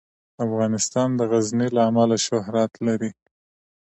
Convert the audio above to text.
افغانستان د غزني له امله شهرت لري.